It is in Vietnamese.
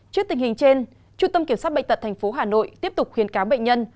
trước tình hình trên trung tâm kiểm soát bệnh tật tp hà nội tiếp tục khuyến cáo bệnh nhân